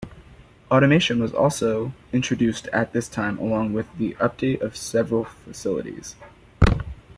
Automation was also introduced at this time along with the update of several facilities.